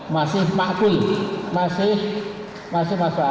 masih makbul masih masuk akal